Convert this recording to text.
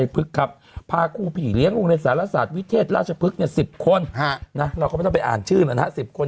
เพราะก่อนนั้นมีเรื่องประเด็นจริงมากเลยนะไม่ใช่